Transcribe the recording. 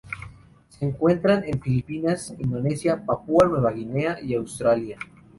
Se encuentran en Filipinas, Indonesia, Papúa Nueva Guinea y Australia.